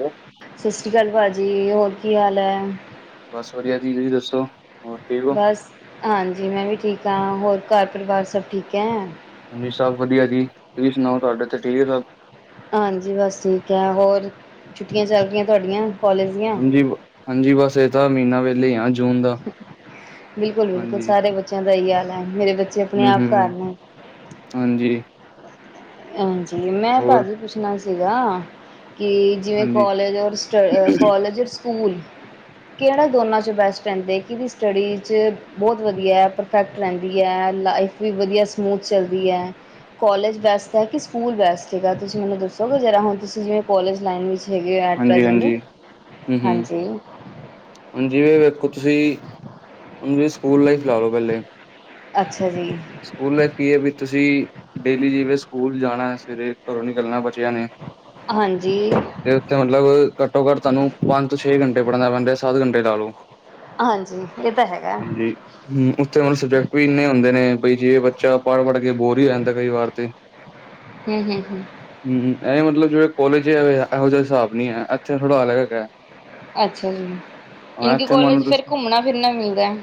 Hello, ਸਤਿ ਸ੍ਰੀ ਅਕਾਲ ਭਾਜੀ 'ਹੋਰ ਕੀ ਹਾਲ ਐ। ਬਸ ਵਧੀਆ ਜੀ ਤੁਸੀਂ ਦੱਸੋ। ਠੀਕ ਹੋ ਬਸ ਹਾਂਜੀ ਮੈਂ ਵੀ ਠੀਕ ਹਾਂ ਹੋਰ ਘਰ ਪਰਿਵਾਰ ਸਭ ਠੀਕ ਹੈ। ਹਾਂਜੀ, ਸਭ ਵਧੀਆ ਜੀ ਤੁਸੀਂ ਸੁਣਾਓ ਤੁਹਾਡੇ ਇਥੇ ਠੀਕ ਐ ਸਭ ਹਾਂਜੀ ਬਸ ਠੀਕ ਹੈ ਹੋਰ ਛੁੱਟੀਆਂ ਚੱਲ ਰਹੀਆਂ ਤੁਹਾਡੀਆਂ। ਕੋਲਜ ਦੀਆਂ ਹਾਂਜੀ ਹਾਂਜੀ ਬਸ ਇਹ ਤਾਂ ਮਹੀਨਾ ਵੇਹਲੇ ਆ ਜੂਨ ਦਾ। ਬਿਲਕੁਲ ਬਿਲਕੁਲ ਸਾਰੇ ਬੱਚਿਆਂ ਦਾ ਹੀ ਹਾਲ ਐ ਮੇਰੇ ਬੱਚੇ ਆਪਣੇ ਹੂੰ ਆਪ ਘਰ ਹੂੰ, ਨੇ ਹਾਂਜੀ। ਹਾਂਜੀ ਮੈਂ ਹੋਰ ਭਾਜੀ ਪੁੱਛਣਾ ਸੀਗਾ ਕਿ ਜਿਵੇਂ ਹਾਂਜੀ ਕੋਲਜ ਔਰ ਸਟ ਕੋਲਜ ਔਰ ਸਕੂਲ ਕਿਹੜਾ ਦੋਨਾਂ 'ਚ ਬੈਸਟ ਰਹਿੰਦੇ ਕਿਦੀ ਸਟੱਡੀ 'ਚ ਬਹੁਤ ਵਧੀਆ ਐ ਪਰ ਇਫੈਕਟ ਰਹਿੰਦੀ ਐ ਲਾਈਫ ਵੀ ਵਧੀਆ ਸਮੂਥ ਚੱਲਦੀ ਹੈ ਕੋਲਜ ਵੈਸ ਹੈ ਕਿ ਸਕੂਲ ਬੈਸਟ ਹੈਗਾ ਤੁਸੀਂ ਮੈਨੂੰ ਦੱਸੋ ਕਿ ਜਿਹੜਾ ਹੁਣ ਤੁਸੀਂ ਜਿਵੇਂ ਕੋਲਜ ਲਾਈਨ ਵਿੱਚ ਹੈਗੇ ਐਟ ਹਾਂਜੀ ਪ੍ਰੈਜੈਂਟ ਹਾਂਜੀ ਹਾਂਜੀ। ਹਾਂਜੀ, ਵੇਖੋ ਤੁਸੀਂ ਸਕੂਲ ਲਾਈਫ ਲਾ ਲਓ ਪਹਿਲੇ। ਅੱਛਾ ਜੀ, ਸਕੂਲ ਲਾਈਫ ਕੀ ਐ ਵੀ ਤੁਸੀਂ ਡੇਲੀ ਜਿਵੇਂ ਸਕੂਲ ਜਾਣਾ ਸਵੇਰੇ ਘਰੋਂ ਨਿਕਲਣਾ ਬੱਚਿਆਂ ਨੇ ਹਾਂਜੀ, ਤੇ ਉੱਥੇ ਮਤਲਬ ਘੱਟੋ ਘੱਟ ਤੁਹਾਨੂੰ ਪੰਜ ਤੋਂ ਛੇ ਘੰਟੇ ਪੜ੍ਹਨਾ ਪੈਂਦਾ ਸੱਤ ਘੰਟੇ ਲਾ ਲਓ ਹਾਂਜੀ ਇਹ ਤਾਂ ਹੈਗਾ। ਹੁਣ, ਉੱਥੇ ਹੁਣਬ ਸਬਜੈਕਟ ਵੀ ਇਨੇ ਹੁੰਦੇ ਨੇ ਵੀ ਜੇ ਬੱਚਾ ਪੜ੍ਹ ਪੜ੍ਹ ਕੇ ਬੋਰ, ਵੀ ਹੋ ਜਾਂਦਾ ਕਈ ਵਾਰ ਤੇ ਹੂੰ ਹੂੰ ਹੂੰ ਹੂੰ ਇਹ ਮਤਲਬ ਜਿਵੇਂ ਕੋਲੇਜ ਐਵੇਂ ਦਾ ਇਹੋ ਜਿਹਾ ਹਿਸਾਬ ਨੀ ਐ ਇੱਥੇ ਥੋੜਾ ਅਲੱਗ ਐ। ਅੱਛਾ ਜੀ, ਇਨਕ ਕਾਲਜ ਫਿਰ ਘੁੰਮਣਾ ਫਿਰਨਾ ਮਿਲਦਾ।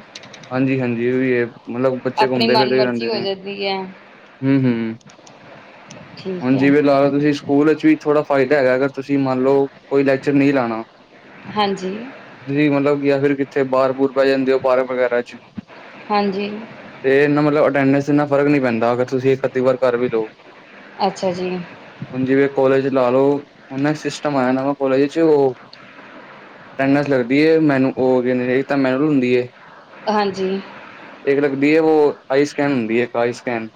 ਹਾਂਜੀ ਹਾਂਜੀ ਏ ਵੀ ਐ ਮਤਲਬ ਬੱਚੇ ਆਪਣੀ ਘੁੰਮਦੇ ਮਨ ਫਿਰਦੇ ਵੀ ਮਰਜ਼ੀ ਰਹਿੰਦੇ ਨੇ। [unintelligible] ਹੂੰ ਹੂੰ, ਠੀਕ ਹੁਣ ਹੈ ਜਿਵੇਂ ਲਾ ਲਓ ਤੁਸੀਂ। ਸਕੂਲ ਵਿੱਚ ਵੀ ਥੋੜ੍ਹਾ ਫਾਇਦਾ ਹੈਗਾ ਅਗਰ ਤੁਸੀਂ ਮੰਨ ਲਓ ਕੋਈ ਲੈਕਚਰ ਨਹੀਂ ਲਾਣਾ ਹਾਂਜੀ, ਤੁਸੀਂ ਮਤਲਬ ਜਾਂ ਫਿਰ ਕਿੱਥੇ ਬਾਹਰ ਬੂਰ ਪੈ ਜਾਂਦੇ ਹੋ ਪਾਰਕ ਵਗੈਰਾ ਚ ਹਾਂਜੀ, ਤੇ ਇਹਨਾ ਮਤਲਬ ਅਟੈਂਡੈਂਸ ਇਨਾ ਫ਼ਰਕ ਨੀ ਪੈਂਦਾ ਅਗਰ ਤੁਸੀਂ ਇੱਕ ਅੱਧੀ ਵਾਰ ਘਰ ਵੀ ਰਹੋ। ਅੱਛਾ ਜੀ ਹੁਣ ਜਿਵੇਂ ਕੋਲੇਜ ਲਾ ਲਓ ਹੁਣ ਸਿਸਟਮ ਆਇਆ ਕਾਲਜ ਵਿੱਚ ਓ, ਅਟੈਂਡਸ ਲਗਦੀਏ ਮੈਨੂੰ ਉਹ [unintelligible] ਹੁੰਦੀ ਏ। ਹਾਂਜੀ, ਇੱਕ ਲੱਗਦੀ ਓ ਹੁੰਦੀ ਆਈ ਸਕਕੈਨ ਹੁੰਦੀ ਹੈ ਇੱਕ ਆਈ ਸਕੈਨ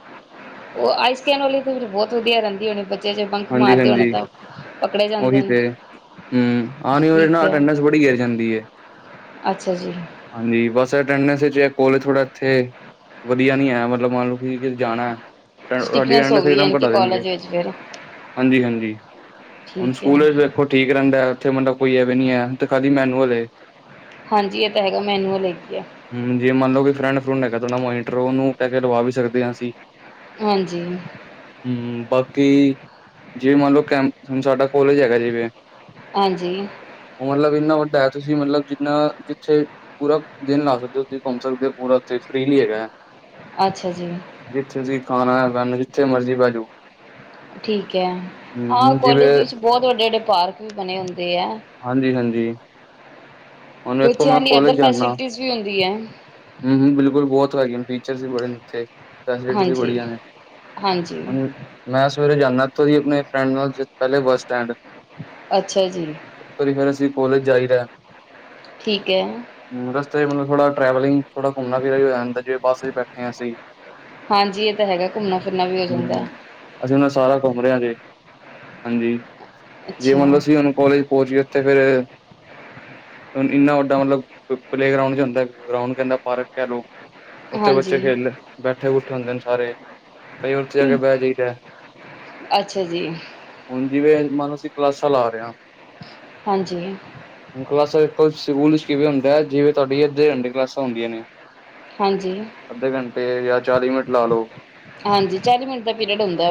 ਉਹ ਆਈਸਕੈਨ ਵਾਲੇ ਤਾਂ ਫਿਰ ਬਹੁਤ ਵਧੀਆ ਰਹਿੰਦੀ ਹੋਣੀ ਬੱਚੇ ਜੇ ਬੰਕ ਮਾਰਦੇ ਹੋਣੇ ਤਾਂ। ਪਕੜੇ ਜਾਂਦੇ ਔਹੀ ਨੇ ਤੇ, ਹੂੰ ਆ ਨੀ ਔਏ ਠੀਕ ਨਾ ਹੈ ਅਟੈਡਸ ਬੜੀ ਗਿਰ ਜਾਂਦੀ ਏ। ਅੱਛਾ ਜੀ। ਹਾਂਜੀ, ਬਸ ਅਟੈਂਡੈਂਸ ਚ ਕੋਲੇਜ ਥੋੜ੍ਹਾ ਐਥੇ ਵਧੀਆ ਨੀ ਹੈ, ਮਤਲਬ ਮੰਨ ਲੋ ਤੁਸੀਂ ਕਿਤੇ ਜਾਣਾ। ਅਟੈ ਸਾਡੀ ਸਟਿਕਨੈਸ ਹੋ ਅਟੈਂਡਸ ਗਈ ਇੱਕ ਯਾਨੀ ਦਮ ਕਿ ਘਟਾ ਦੇਣਗੇ, ਕਾਲਜ ਵਿੱਚ ਫਿਰ ਹਾਂਜੀ ਹਾਂਜੀ। ਠੀਕ ਐ। ਫਿਰ ਵੇਖੋ ਠੀਕ ਰਹਿੰਦਾ ਉੱਥੇ ਮਤਲਬ ਕੋਈ ਐਵੀ ਨੀ ਐ, ਹੁਣ ਤੇ ਖਾਲੀ ਮੈਨੂੰਅਲ ਏ। ਹਾਂਜੀ, ਇਹ ਤਾਂ ਹੈਗਾ ਮੈਨੂੰਅਲ ਹੈਗੀ ਐਂ। ਹੂੰ, ਜੇ ਮੰਨ ਲੋ ਕੋਈ ਫਰੈਂਡ-ਫਰੂਡ ਹੈਗਾ ਤੋਂ ਨਾ ਮੋਨੀਟਰੋ ਓਹਨੂੰ ਕੈ ਕੇ ਲਵਾ ਵੀ ਸਕਦੇ ਹਾਂ ਅਸੀਂ। ਹਾਂਜੀ। ਹੂੰ, ਬਾਕੀ ਜਿਵੇਂ ਮੰਨ ਲੋ ਕੈਂਪ ਹੁਣ ਸਾਡਾ ਕੋਲੇਜ ਹੈਗਾ ਜਿਵੇਂ ਹਾਂਜੀ। ਓਹ ਮਤਲਬ ਇੰਨਾ ਵੱਡਾ ਹੈ, ਤੁਸੀਂ ਮਤਲਬ ਜਿੰਨਾ ਜਿੱਥੇ ਪੂਰਾ ਦਿਨ ਲਾ ਸਕਦੇ, ਹੋ ਤੁਸੀਂ ਘੁੰਮ ਸਕਦੇ ਔ ਪੂਰਾ ਉੱਥੇ ਫ੍ਰਰੀਲੀ ਹੈਗੈ। ਅੱਛਾ ਜੀ। ਜਿੱਥੇ ਤੁਸੀਂ ਖਾਣਾ ਖਾਣੇ ਜਿੱਥੇ ਮਰਜ਼ੀ ਬੈ ਜੋ। ਠੀਕ ਹੈ, ਹਾਂ ਹੂੰ ਕੋਲੇਜ ਜਿਵੇਂ ਵਿੱਚ ਬੌਤ ਵੱਡੇ-ਵੱਡੇ ਪਾਰਕ ਵੀ ਬਣੇ ਹੁੰਦੇ ਐ। ਹਾਂਜੀ, ਹਾਂਜੀ। ਹੁਣ ਵੇਖੋ ਮੈਂ ਬੱਚਿਆਂ ਲਈ ਐਦਰ ਫੈਸਲਿਟੀਜ਼ ਵੀ ਹੁੰਦੀ ਐ। ਹੂੰ-ਹੂੰ, ਬਿਲਕੁਲ ਬੌਤ ਵੈਰੀਅਣ ਫੀਚਰ ਵੀ ਬੜੇ ਨੇ ਉੱਥੇ। ਫੈਸਿਲਿਟੀਸ ਵੀ ਹਾਂਜੀ ਬੜੀਆਂ ਨੇ, ਹਾਂਜੀ ਹੁਣ ਮੈਂ ਸਵੇਰੇ ਜਾਂਣਾ, ਐਥੋਂ ਦੀ ਅਪਣੇ ਫਰੈਂਡ ਨਾਲ ਜੇ ਪੈਲੇ ਬੱਸ ਸਟੈਂਡ। ਅੱਛਾ ਜੀ ਓਥੋਂ ਦੀ ਫ਼ਿਰ ਅਸੀਂ ਕੋਲਜ ਜਾਈਦਾ। ਠੀਕ ਹੈ। ਰਸਤੇ ਚ ਮੈਨੂੰ ਥੋੜਾ ਟਰੈਵਲਿੰਗ ਥੋੜਾ ਘੁੰਮਣਾ ਵੀਰਾ ਵੀ ਹੋ ਜਾਂਦਾ, ਜਿਵੇਂ ਬੱਸ ਚ ਬੈਠੇ ਆਂ ਅਸੀਂ। ਹਾਂਜੀ, ਏ ਤਾਂ ਹੈਗਾ ਘੁੰਮਣਾ ਫਿਰਨਾ ਵੀ ਹੋ ਜਾਂਦਾ। ਹੂੰ ਅਸੀਂ ਉਨਾਂ ਸਾਰਾ ਘੁੰਮ ਰੇਆ ਜੇ ਹਾਂਜੀ, ਜੇ ਅੱਛਾ ਹੁਣ ਅਸੀਂ ਔਨੂੰ ਕੋਲੇਜ ਪਹੁੰਚ ਗੇ, ਓਥੇ ਫੇਰ ਹੋਣ ਇੰਨਾ ਵੱਡਾ ਮਤਲਬ ਪਲੇ ਗਰਾਉਂਡ ਜਾ ਹੁੰਦੈ, ਗਰਾਂਉਡ ਕੈੰਦਾ ਪਾਰਕ ਕੇ ਲੋ। ਓਥੇ ਹਾਂਜੀ ਬੱਚੇ ਖੇਲ ਬੈਠੇ-ਬੂਠੇ ਹੁੰਦੇ ਨੇ ਸਾਰੇ। ਕਈ ਔਥੇ ਜਾ ਕੇ ਬੈਹ ਜਾਈਦਾ। ਅੱਛਾ ਜੀ ਹੁਣ, ਜਿਵੇਂ ਮਨ ਲੋ ਅਸੀਂ ਕਲਾਸਾਂ ਲਾ ਰੇ ਆਂ। ਹਾਂਜੀ। ਹੁਣ ਕਲਾਸਾਂ ਚ ਕੋਛ ਸਕੂਲ ਚ ਕਿਵੇਂ ਹੁੰਦਿਆ, ਜਿਵੇਂ ਤੁਹਾਡੀ ਅੱਧੇ ਘੰਟੇ ਕਲਾਸਾਂ ਹੁੰਦੀਆਂ ਨੇ ਹਾਂਜੀ। ਅੱਧੇ ਘੰਟੇ ਯਾ ਚਾਲੀ ਮਿੰਟ ਲਾ ਲੋ। ਹਾਂਜੀ, ਚਾਲੀ ਮਿੰਟ ਦਾ ਪੀਰੀਅਡ ਹੁੰਦਾ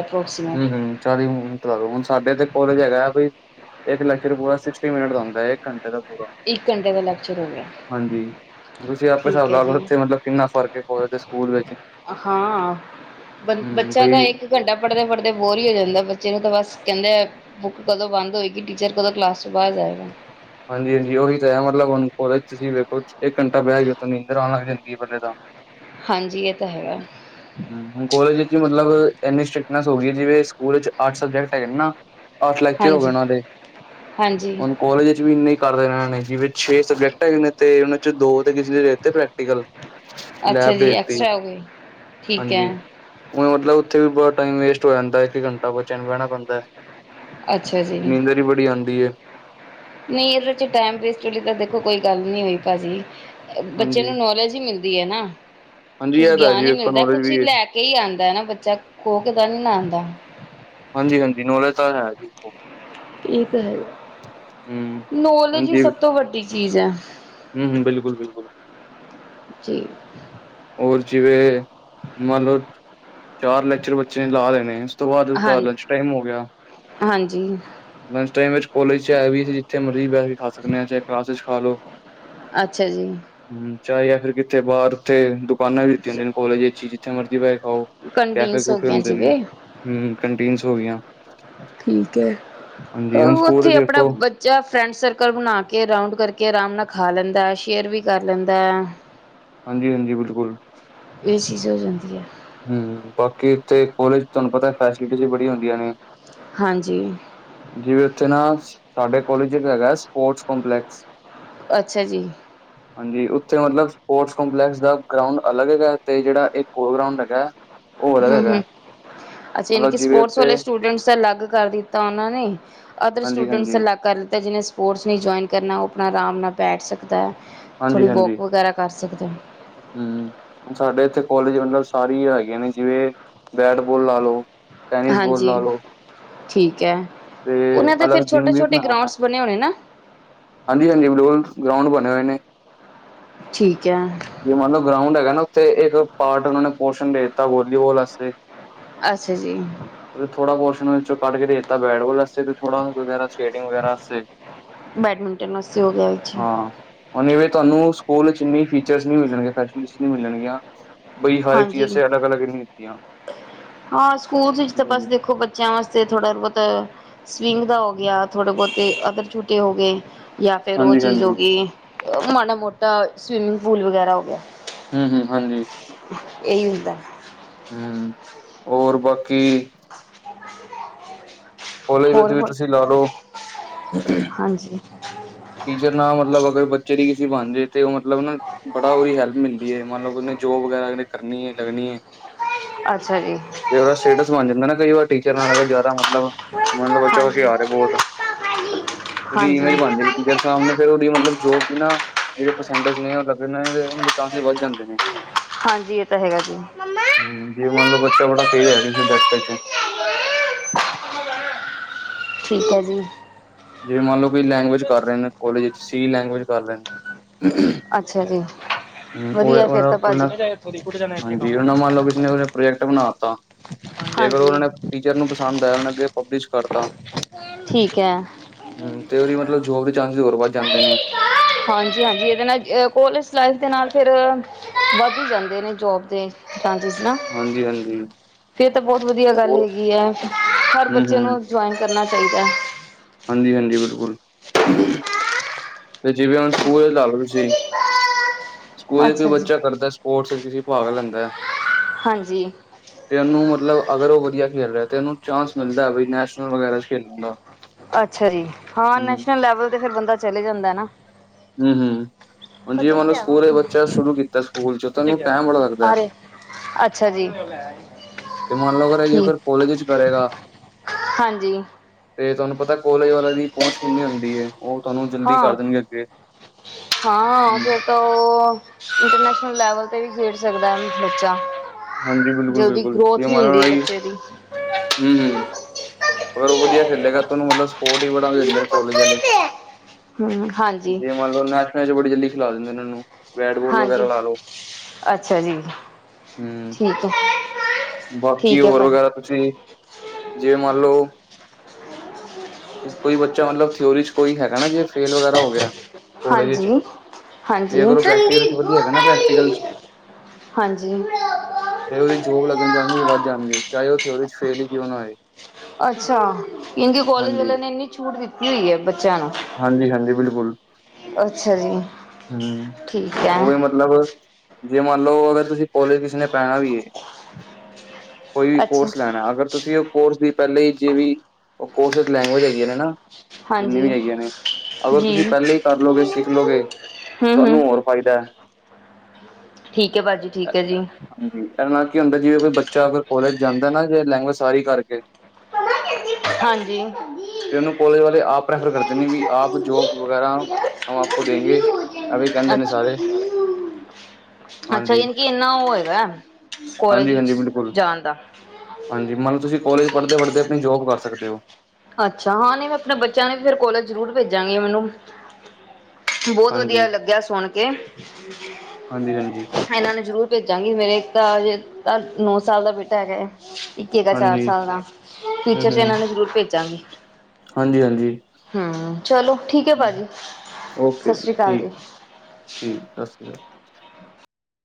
ਹਮ ਪਰੋਕਸੀਮੇਟ। ਹਮ ਚਾਲੀ ਮਿੰਟ ਹੁਣ ਸਾਡੇ ਇਥ ਕੋਲਜ ਹੈਗਾ, ਬਈ ਇੱਕ ਲੈਕਚਰ ਪੂਰਾ ਸਿਕਸਟੀ ਮਿੰਟ ਦਾ ਹੁੰਦਾ ਇੱਕ ਘੰਟੇ ਦਾ ਪੂਰਾ। ਇੱਕ ਘੰਟੇ ਦਾ ਲੈਕਚਰ ਹੋ ਗਿਆ। ਹੁਣ, ਤੁਸੀ ਆਪੇ ਸਾਬ ਠੀਕ ਹੈ ਲਾਲੋ ਜੀ ਉੱਥੇ ਮਤਲਬ ਕਿੰਨਾ ਫ਼ਰਕ ਏ ਕੋਲੇਜ ਤੇ ਸਕੂਲ ਵੇੱਚ। ਅ ਹਾਂ। ਬੰਦ ਬੱਚਾ ਤਾਂ ਬਈ ਇੱਕ ਘੰਟਾ ਪੜ੍ਹਦੇ-ਫੜ੍ਹਦੇ ਬੋਰ ਹੀ ਹੋ ਜਾਂਦਾ, ਬੱਚੇ ਨੂੰ ਤਾਂ ਬਸ ਕੈੰਦੇ ਐ ਬੁੱਕ ਕਦੋਂ ਬੰਦ ਹੋਏਗੀ, ਟੀਚਰ ਕਦੋਂ ਕਲਾਸ ਚੋ ਬਾਰ ਜਾਏਗਾ? ਹਾਂਜੀ ਹਾਂਜੀ, ਔਹੀ ਤੇ ਹੈ, ਮਤਲਬ ਹੁਣ ਕੋਲਜ ਤੁਸੀਂ ਵੇਖੋ ਇੱਕ ਘੰਟਾ ਬੈਹ ਜੋ ਤੁਹਾਨੂੰ ਨੀਦਰ ਆਣ ਲੱਗ ਜਾਂਦੀ ਏ ਪੈਲੇ ਤਾਂ। ਹਾਂਜੀ, ਏਹ ਤਾਂ ਹੈਗਾ। ਹੂੰ, ਹੁਣ ਕੋਲਜ ਵਿੱਚ ਮਤਲਬ ਐਨੀ ਸਟ੍ਰਿਕਟਨੈਸ ਹੋ ਗਈ ਜਿਵੇ ਸਕੂਲ ਚ ਅੱਠ ਸਬਜੈਕਟ ਹੈਗੇ ਨਾ। ਆਠ ਲੈਕਚਰ ਹੋ ਗਏ ਹਾਂਜੀ ਉਹਨਾਂ ਦੇ ਹਾਂਜੀ ਹ। ਕਾਲਜ ਵਿੱਚ ਵੀ ਇੰਨਾ ਹੀ ਕਰਦੇ ਰੇ ਇਹਨਾਂ ਨੇ ਜਿਵੇਂ ਛੇ ਸਬਜੈਕਟ ਹੈਗੇ, ਨੇ ਤੇ ਉਹਨਾਂ 'ਚ ਦੋ ਕਿਸੇ ਦੇ। ਤੇ ਪ੍ਰੈਕਟੀਕਲ ਅੱਛਾ ਲੈਬ ਜੀ ਭੇਜਤੀ ਐਕਸਟਰਾ ਹੋ ਗਈ ਠੀਕ ਹੈ ਹਾਂਜੀ। ਹੁਣ ਮਤਲਬ ਉੱਥੇ ਵੀ ਬੜਾ ਟਾਈਮ ਵੇਸਟ ਹੋ ਜਾਂਦਾ, ਇੱਕ ਘੰਟਾ ਬੱਚਿਆਂ ਨੂੰ ਬਹਿਣਾ ਪੈਂਦਾ ਹੈ। ਅੱਛਾ ਜੀ। ਬੜੀ ਆਦੀ ਹੈ ਤੇ। ਨਹੀਂ ਇਹਦੇ ਵਿੱਚ ਟਾਈਮ ਵੇਸਟ ਵਾਲੀ ਤਾਂ ਦੇਖੋ, ਕੋਈ ਗੱਲ ਨਹੀਂ ਹੋਈ ਭਾਜੀ। ਬੱਚੇ ਨੂੰ ਹਾਂਜੀ-ਹਾਂਜੀ ਨੌਲੇਜ ਹੀ ਮਿਲਦੀ ਹੈ, ਨਾ ਕੁਛ ਇਹ ਤਾਂ ਹੈ ਗਿਆਨ ਜੀ ਹੀ ਵੇਖੋ ਮਿਲਦਾ ਹੈ ਨੌਲੇਜ ਕੁਛ ਵੀ ਲੈ। ਇਹੀ ਆਉਂਦਾ ਹੈ, ਨਾ ਬੱਚਾ ਖੋ ਦਾ [unintelligible] ਹਾਂਜੀ, ਹਾਂਜੀ ਨੌਲੇਜ ਤਾਂ ਹੈ ਜੀ ਓ। ਇਹ ਤਾਂ ਹੈ ਹੂੰ, ਨੌਲੇਜ ਹੀ ਹਾਂਜੀ ਸਭ ਤੋਂ ਵੱਡੀ ਚੀਜ਼ ਹੈ। ਹੂੰ-ਹੂੰ, ਬਿਲਕੁਲ-ਬਿਲਕੁਲ। ਜੀ। ਔਰ ਜਿਵੇਂ ਮੰਨ ਲਓ, ਚਾਰ ਲੈਕਚਰ ਬੱਚੇ ਨੇ ਲਾ ਲੈਣੇ ਆ। ਓ ਤੋਂ ਬਾਦ ਓ ਤਾਂ ਲੰਚ ਟਾਈਮ ਹੋ ਗੇਆ। ਜੀ ਲੰਚ ਟਾਈਮ ਵਿੱਚ ਕੋਲੇਜ 'ਚ ਐ ਵੀ ਸੀ ਜਿੱਥੇ ਮਰਜੀ ਬੈ ਕੇ ਖਾ ਸਕਨੇ ਆ ਚੈ ਕਲਾਸ ਚ ਖਾ ਲੋ। ਅੱਛਾ ਜੀ। ਹੂੰ ਚਾਏ ਫਿਰ ਕਿੱਥੇ ਬਾਰ ਉੱਥੇੁ ਦ [unintelligible] ਕੋਲੇਜ ਵਿੱਚ ਈ ਜਿਥੇ ਮਰਜ਼ੀ ਬੈ ਖਾਓ ਕੈਫੇ ਕੰਡੀਨਸ ਹੋ ਕੂਫੇ ਗਈਆਂ ਹੁੰਦੇ ਨੇ। ਜਿਵੇਂ। ਹੂੰ ਕੰਟੀਨਸ ਹੋ ਗੀਆਂ। ਠੀਕ ਐ, ਅ ਹੁਣ ਸਕੂਲ ਉੱਥੇ ਚ ਆਪਨਾ ਵੇਖੋ ਬ ਜਾਂ ਫਰੈਂਡ ਸਰਕਲ ਬਣਾ ਕੇ ਰਾਊਂਡ ਕਰਕੇ ਆਰਾਮ ਨਾ ਖਾ ਲੈਂਦਾ ਸ਼ੇਅਰ ਵੀ ਕਰ ਲੈਂਦਾ ਐ। [inaudible] ਹਾਂਜੀ-ਹਾਂਜੀ ਬਿਲਕੁਲ। ਏ ਚੀਜ਼ ਹੋ ਜਾਂਦੀ ਆ। ਹੂੰ ਬਾਕੀ ਇੱਥੇ ਕੋਲੇਜ ਧਾਨੂੰ ਪਤਾ ਐ ਫੈਸਿਲਿਟੀਜ਼ ਬੜੀ ਹੁੰਦੀਆਂ ਨੇ। ਹਾਂਜੀ। ਜੇਵੇ ਉੱਥੇ ਨਾ ਸ ਸਾਡੇ ਕੋਲਜ ਏ ਹੈਗਾ ਸਪੋਰਟਸ ਕੰਪਲੈਕਸ। ਅੱਛਾ ਜੀ। ਹਾਂਜੀ ਉੱਥੇ ਮਲਬ ਸਪੋਰਟਸ ਕੰਪਲੈਕਸ ਦਾ ਗਰਾਊਂਡ ਅਲੱਗ ਹੈਗਾ ਤੇ ਜੇੜਾ ਇਕ ਔਰ ਗਰਾਂਉਡ ਐ ਕੈ ਹੂੰ-ਹੂੰ ਅੱਛਾ ਇਨ ਮਤਲਬ ਕਿ ਜਿਵੇਂ ਸਪੋਰਟਸ ਵਾਲੇ ਉੱਥੇ ਸਟੂਡੈਂਟਸ ਦਾ ਅਲੱਗ ਕਰ ਦਿੱਤਾ ਉਨਾਂ ਨੇ। ਅਦਰ ਹਾਂਜੀ ਸਟੂਡੈਂਟਸ ਹਾਂਜੀ ਅ ਲੱਗ ਕਰ ਲਿੱਤਾ ਜਿਨੇ ਸਪੋਰਟਸ ਨਈ ਜੋਆਇਨ ਕਰਨਾ ਓ ਆਪਣਾ ਆਰਾਮ ਨਾਲ ਬੈਠ ਸਕਦਾ ਐ। ਥੋੜੀ ਵੌਕ ਵਗੈਰਾ ਕਰ ਸਕਦੇ ਓ ਹੂੰ, ਹੂ ਸਾਡੇ ਇੱਥੇ ਕੋਲਜ ਮਤਲਬ ਸਾਰੀ ਹਗੀਆ ਨੇ ਜਿਵੇਂ ਬੈਟ ਬੋਲ ਲਾ ਲਓ। ਟੈਨਿਸ ਬੋਲ ਹਾਂਜੀ, ਲਾ ਲਓ ਠੀਕ ਐ, ਤੇ ਉਹਨਾਂ ਦਾ ਫਿਰ ਅਲੱਗ ਜਿੰਮ ਵੀ ਛੋਟੇ-ਛੋਟੇ ਗਰਾਂਉਡ ਸ ਬਣੇ ਹੋਣੇ ਨਾ? ਹਾਂਜੀ-ਹਾਂਜੀ ਬਿਲੋਡਸ ਗਰਾਉਂਡ ਬਣੇ ਹੋਏ ਨੇ। ਠੀਕ ਏਆ। ਜੇ ਮੰਨ ਲਓ ਗਰਾਉਂਡ ਹੈਗਾ ਨਾ ਉੱਥੇ ਇੱਕ ਪਾਟ ਉਨਾ ਨੇ ਪੋਰਸ਼ਨ ਦੇ ਤਾ ਵਾਲੀਬਾਲ ਵਾਸਤੇ। ਅੱਛਾ ਜੀ। ਉ ਥੋੜ੍ਹਾ ਪੋਰਸ਼ਨ ਵਿੱਚੋਂ ਕੱਢ ਕੇ ਦੇ ਤਾ ਬੈਟਬਾਲ ਵਾਸਤੇ ਥੋੜਾ ਵਗੈਰਾ ਸਕੇਟਿੰਗ ਵਗੈਰਾ ਵਾਸੇ, ਬੈਡਮਿੰਟਨ ਵਾਸਤੇ ਹੋ ਗਿਆ ਅੱਛਾ ਹਾਂ। ਹੁਣਵੇ ਧੁਆਨੂੰ ਸਕੂਲ ਚ ਈਨੀ ਫੀਚਰਸ ਨ ਮਿਲਣਗੇ ਫੈਸਿਲਿਟੀਜ਼ ਨ ਮਿਲਣਗੀਆਂ। ਬਈ ਹਰ ਇੱਕ ਚੀਜ਼ ਹਾਂਜੀ, ਅਸੇ ਅਲੱਗ-ਅਲੱਗ ਨਹੀਂ ਦਿੱਤੀਆਂ। ਹਾਂ ਸਕੂਲ ਚ ਤਾਂ ਹਾਂਜੀ ਹਾਂਜੀ ਬਸ ਹੂੰ। ਦੇਖੋ ਬ ਚਿਆਂ ਵਾਸਤੇ ਥੋੜਾ ਬੋਤ ਸਵਿੰਗ ਦਾ ਹੋ ਗਿਆ ਥੋੜੇ ਬੌਤੇ ਅਦਰ ਝੂਟੇ ਹੋ ਗੇ ਯਾਂ ਫੇਰ ਓ ਚੀਜ਼ ਹੋ ਹਾਂਜੀ-ਹਾਂਜੀ, ਗੀ ਮਾੜਾ ਮੋਟਾ ਸਵੀਮਿੰਗ ਪੂਲ ਵਗੈਰਾ ਹੋ ਗੇਆ। ਹੂੰ-ਹੂੰ ਹਾਂਜੀ। ਏਹੀ ਹੁੰਦਾ ਐ। ਹੂੰ ਹੋਰ ਬਾਕੀ ਕੌਲਜ ਹੋਰ ਵਿੱਚ ਵੀ ਹੋਰ ਤੁਸੀਂ ਕੀ ਲਾ ਲਓ ਹਾਂਜੀ ਟੀਚਰ ਨਾ ਮਤਲਬ ਅਗਰ ਬੱਚੇ ਦੀ ਕਿਸੀ ਬਣ ਜੇ ਤੇ ਲਬ ਓਨੂੰ ਬੜਾ ਓਹੀ ਹੈਲਪ ਮਿਲਦੀ ਏ ਮਤਲਬ ਜੋਬ ਵਗੈਰਾ ਕਰਨੀ ਏ ਲੱਗਣੀ ਏ ਅੱਛਾ ਜੀ। ਜੇ ਓਦਾ ਸਟੇਟਸ ਬਣ ਜਾਂਦਾ ਨਾ ਕਈ ਵਾਰ ਟੀਚਰ ਨਾਲ ਅ ਜ਼ਿਆਦਾ ਮਤਲਬ ਮਲ ਬੱਚਾ ਹਾਂਜੀ ਹਛੀਆਰ ਆ ਬੌਤ, ਓਦੀ ਈਮੇਜ ਹਾਂਜੀ ਬਣਜੇ ਯ ਸਾਹਮਣੇ ਫੇਰ ਉਹਦੀ ਮਤਲਬ ਜੋਬ ਨਾ ਜਿਹੜੇ ਪਰਸੈਂਟਜ ਨੇ ਉਹ ਲੱਗ ਨੇ ਉਹਨਾਂ ਦੇ ਚਾਂਸਿਸ ਵੱਧ ਜਾਂਦੇ ਨੇ। ਹਾਂਜੀ ਏ ਤਾਂ ਹੈਗਾ ਜੀ। [unintelligible] ਠੀਕ ਐ ਜੀ। ਜਿਵੇਂ ਮੰਨ ਲਓ, ਕਿ ਲੈਂਗੁਏਜ ਕਰ ਰਹੇ ਨੇ ਕੋਲਜ ਵਿੱਚ ਸੀ, ਲੈਂਗੁਏਜ ਕਰ ਰਹੇ ਨੇ। ਅੱਛਾ ਜੀ। ਹੂੰ ਵਧੀਆ ਫਿਰ ਤਾਂ ਭਾਜੀ ਉਹ-ਉਹ ਹਾਂਜੀ ਉਹਨਾਂ ਮੰਨ ਲਓ, ਕਿਸ ਨੇ ਉਹਨੇ ਪ੍ਰੋਜੈਕਟ ਬਣਾ ਤਾ। ਤੇ ਅਗਰ ਉਹਨਾਂ ਹਾਂਜੀ ਨੇ ਟੀਚਰ ਨੂੰ ਪਸੰਦ ਆਇਆ, ਉਹਨੇ ਅੱਗੇ ਪਬਲਿਸ਼ ਕਰਤਾ। ਠੀਕ ਹੈ। ਹੂੰ, ਤੇ ਉਹਦੀ ਮਤਲਬ ਜੋਬ ਦੇ ਚਾਂਸਿਸ ਹੋਰ ਵੱਧ ਜਾਂਦੇ ਨੇ। ਹਾਂਜੀ-ਹਾਂਜੀ, ਇਹਦੇ ਨਾਲ ਕੋਲੇਜ ਲਾਈਫ ਦੇ ਨਾਲ ਫਿਰ। ਵੱਧ ਏ ਜਾਂਦੇ ਨੇ ਜੋਬ ਦੇ। ਤਾਂਜੀਸ ਨਾ ਹਾਂਜੀ-ਹਾਂਜੀ, ਫੇਰ ਤਾਂ ਬਹੁਤ ਵਧੀਆ ਗੱਲ ਬਹੁਤ ਹੈਗੀ ਹੈ। ਹਰ ਬੱਚੇ ਹੂੰ-ਹੂੰ, ਨੂੰ ਜੁਆਇਨ ਕਰਨਾ ਚਾਹੀਦਾ ਹੈ। ਹਾਂਜੀ-ਹਾਂਜੀ, ਬਿਲਕੁਲ ਤੇ ਜਿਵੇਂ ਹੁਣ ਸਕੂਲ ਲਾ ਲੋ ਤੁਸੀ। ਸਕੂਲ ਚ ਕੋਈ ਅੱਛਾ ਜੀ। ਬੱਚਾ ਕਰਦਾ ਸਪੋਰਟਸ ਚ ਭਾਗ ਲੈਂਦਾ। ਹਾਂਜੀ। ਤੇ ਉਹਨੂੰ ਮਤਲਬ ਅਗਰ ਉਹ ਵਧੀਆ ਖੇਲ ਰਿਹਾ, ਤੇ ਉਹਨੂੰ ਚਾਂਸ ਮਿਲਦਾ ਬ ਨੈਸ਼ਨਲ ਵਗੈਰਾ ਚ ਖੇਲਣ ਦਾ। ਅੱਛਾ ਜੀ, ਹਾਂ ਹੂੰ। ਨੈਸ਼ਨਲ ਲੈਵਲ ਤੇ ਫਿਰ ਬੰਦਾ ਚਲੇ ਜਾਂਦਾ ਨਾ। ਹੂੰ-ਹੂੰ, ਹੁਣ ਜਿਵੇਂ ਬੱਚੇ ਮਨ ਨੂੰ ਲੋ ਲਿਆਵੋ ਸਕੂਲ ਚ ਉੱਥੋਂ। ਬੱਚਾ ਸ਼ੁਰੂ ਕੀਤਾ ਸਕੂਲ ਚ ਤਾਂ ਕਿੱਥੇ ਉਹਨੂੰ ਗਿਆ? ਟਾਈਮ ਬੜਾ ਲੱਗਦਾ ਹੈ। ਆਰੇ ਅੱਛਾ ਜੀ। ਤੇ ਮੰਨ ਲਓ, ਅਗਰ ਇਹੀ ਓ ਠੀਕ ਫਿਰ ਕੋਲੇਜ ਚ ਕਰੇਗਾ। ਹਾਂਜੀ। ਤੇ ਤੁਹਾਨੂੰ ਪਤਾ ਕੋਲੇਜ ਵਾਲਿਆਂ ਦੀ ਪਹੁੰਚ ਕਿੰਨੀ ਹੁੰਦੀ ਹੈ, ਉਹ ਤੁਹਾਨੂੰ ਜਲਦੀ ਕਰ ਹਾਂ ਦੇਣਗੇ ਅੱਗੇ। ਹਾਂ ਉਹ ਹੂੰ। ਤੇ ਹੈ। ਤਾਂ ਇੰਟਰਨੈਸ਼ਨਲ ਲੈਵਲ ਤੇ ਵੀ ਖੇਡ ਸਕਦਾ ਬੱਚਾ। ਹਾਂਜੀ, ਬਿਲਕੁਲ, ਜਲਦੀ ਬਿਲਕੁਲ। ਗਰੋਥ ਵੀ ਹੋ ਰਹੀ ਬੱਚੇ ਦੀ। ਹੂੰ-ਹੂੰ, ਹੋਰ ਵਧੀਆ ਖੇਲੇਗਾ ਤਾਂ ਉਹਨੂੰ ਮਤਲਬ ਸ। ਸਪੋਰਟ ਹੀ ਬੜਾ ਦਿੰਦੇ ਨੇ ਕਾਲਜ ਵਾਲੇ। ਹਮ ਹਾਂਜੀ ਨੈਚ-ਨੈਚ ਬੜੀਲਦੀ ਖਿਲਾ ਦਿੰਦੇ ਨੇਨਾਂ ਨੂੰ। ਹਾਂਜੀ ਅੱਛਾ ਜੀ। ਹੂੰ, ਠੀਕ ਹੈ ਬਾਕੀ ਠੀਕ ਹੈ ਹੋਰ ਭਾਈ ਵਗੈਰਾ ਤੁਸੀਂ ਜਿਵੇਂ ਮੰਨ ਲਓ ਕੋਈ ਬੱਚਾ ਮਤਲਬ ਥਿਓਰੀ ਚ ਕੋਈ ਹੈਗਾ, ਨਾ ਜੇ ਫੇਲ ਵਗੈਰਾ ਹੋ ਗਿਆ ਕੋਲਜ ਚ। ਹਾਂਜੀ ਹਾਂਜੀ ਤੇ ਅਗਰ ਉਹ ਪ੍ਰੈਕਟੀਕਲ ਚ ਵਧੀਆ ਹੈਗਾ, ਨਾ ਪ੍ਰੈਕਟੀਕਲ ਚ। ਹਾਂਜੀ। ਤੇ ਉਹਦੀ ਵਿਚ ਹੋਰ ਲੱਗਣ ਦੇ ਚਾਂਸਿਸ ਵੱਧ ਜਾਣਗੇ, ਚਾਹੇ ਉਹ ਥਓਰੀ ਚ ਫੇਲ ਹੀ ਕਿਉਂ ਨਾ ਹੋਏ। ਅੱਛਾ ਇੰਝ ਕਾਲਜ ਹਾਂਜੀ ਵਾਲਿਆਂ ਨੇ ਇੰਨੀ ਛੂਟ ਦਿੱਤੀ ਹੋਈ ਹੈ, ਬੱਚਿਆਂ ਨੂੰ। ਹਾਂਜੀ-ਹਾਂਜੀ, ਬਿਲਕੁਲ ਅੱਛਾ ਜੀ ਹੂੰ ਠੀਕ ਹੈ ਉਹ ਵੀ ਮਤਲਬ। ਜੇ ਮੰਨ ਲਓ, ਅਗਰ ਤੁਸੀਂ ਕਾਲਜ ਕਿਸੇ ਨੇ ਪੈਣਾ ਵੀ ਹੈ। ਕੋਈ ਵੀ ਅੱਛਾ ਕੋਰਸ ਲੈਣਾ, ਅਗਰ ਤੁਸੀਂ ਉਹ ਕੋਰਸ ਦੀ ਪਹਿਲੇ ਹੀ ਜੇ ਵੀ। ਉਸ ਵਿੱਚ ਲੈਂਗੁਏਜ ਹੈਗੀ ਹੈ ਨਾ। ਜਿੰਨਨੀ ਹਾਂਜੀ ਵੀ ਹੈਗੀਆਂ, ਨੇ ਅਗਰ ਜੀ ਤੁਸੀਂ ਪਹਿਲਾਂ ਹੀ ਕਰਲਓਗੇ, ਸਿੱਖ ਲਓਗੇ ਹੂੰ ਹੂੰ ਤੁਹਾਨੂੰ ਹੋਰ ਫ਼ਾਇਦਾ। ਠੀਕ ਹੈ ਭਾਜੀ ਠੀਕ ਹੈ ਜੀ। ਹਾਂਜੀ ਇਹਦੇ ਨਾਲ ਕੀ ਹੁੰਦਾ, ਜਿਵੇਂ ਕੋਈ ਬੱਚਾ ਅਗਰ ਕੋਲਜ ਜਾਂਦਾ ਨਾ ਜੇ ਲੈਂਗੁਏਜ ਸਾਰੀ ਕਰਕੇ ਹਾਂਜੀ। ਤੇ ਉਹਨੂੰ ਕੋਲਜ ਵਾਲੇ ਆਪ ਪ੍ਰੈਫਰ ਕਰਦੇ ਨੇ ਵੀ ਆਪ ਜੋਬ ਵਗੈਰਾ ਹੈ ਆਪ ਦੇਗੇ ਇਹ ਵੀ ਕਹਿੰਦੇ ਨੇ ਸਾਰੇ ਅੱਛਾ। ਅੱਛਾ ਹਾਂਜੀ। ਯਾਨੀ ਇੰਨਾ ਉਹ ਹੈਗਾ। ਕੋਲਜ ਹਾਂਜੀ-ਹਾਂਜੀ, ਵਿੱਚ ਬਿਲਕੁਲ ਜਾਣ ਦਾ ਹਾਂਜੀ ਮੰਨ ਲਓ, ਤੁਸੀਂ ਕੋਲੇਜ ਪੜ੍ਹਦੇ ਪੜ੍ਹਦੇ ਆਪਣੀ ਜੋਬ ਕਰ ਸਕਦੇ ਹੋ। ਅੱਛਾ, ਹਾਂ ਨਹੀਂ ਮੈਂ ਆਪਣੇ ਬੱਚਿਆਂ ਨੂੰ ਵੀ ਫਰ ਕੋਲੇਜ ਜ਼ਰੂਰ ਭੇਜਾਂਗੀ ਮੈਨੂੰ। ਬਹੁਤ ਵਧੀਆ ਹਾਂਜੀ ਲੱਗਿਆ ਸੁਣ ਕੇ। ਹਾਂਜੀ ਹਾਂਜੀ ਇਹਨਾਂ ਨੂੰ ਜ਼ਰੂਰ ਭੇਜਾਂਗੀ, ਮੇਰੇ ਇੱਕ ਤਾਂਜੇ ਤਾਂ ਨੌ ਸਾਲ ਦਾ ਬੇਟਾ ਹੈਗਾ ਆ। ਇੱਕ ਦਾ ਚਾਰ ਹਾਂਜੀ ਸਾਲ ਦਾ ਹਮ ਫਿਊਚਰ ਤੇ ਹਮ ਇਹਨਾਂ ਨੇ ਜ਼ਰੂਰ ਭੇਜਾਂਗੀ। ਹਾਂਜੀ ਹਾਂਜੀ ਹੂੰ ਚਲੋ ਠੀਕ ਹੈ, ਭਾਜੀ ਓਕੇ ਸਤਿ ਸ੍ਰੀ ਅਕਾਲ ਜੀ। ਠੀਕ ਠੀਕ ਸਤਿ ਸ਼੍ਰੀ ਅਕਾਲ।